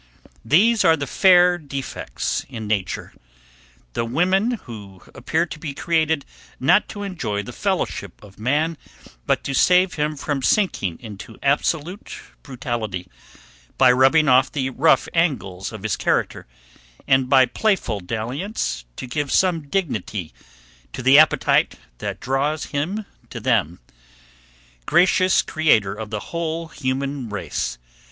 These are the fair defects in nature; the women who appear to be created not to enjoy the fellowship of man, but to save him from sinking into absolute brutality, by rubbing off the rough angles of his character; and by playful dalliance to give some dignity to the appetite that draws him to them. Gracious Creator of the whole human race!